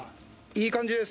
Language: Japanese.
いい感じです。